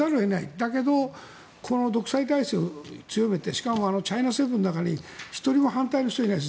だけど、この独裁体制を強めてしかもチャイナ・セブンの中に１人も反対の人がいないです。